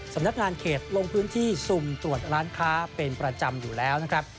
สำนักงานเขตลงพื้นที่สุ่มตรวจร้านค้าเป็นประจำอยู่แล้วนะครับ